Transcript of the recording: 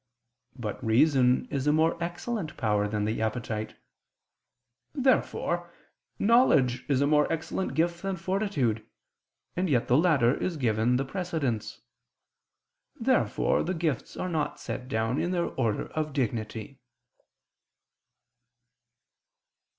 But reason is a more excellent power than the appetite. Therefore knowledge is a more excellent gift than fortitude; and yet the latter is given the precedence. Therefore the gifts are not set down in their order of dignity.